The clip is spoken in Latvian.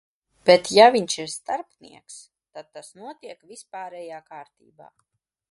Bet, ja viņš ir starpnieks, tad tas notiek vispārējā kārtībā.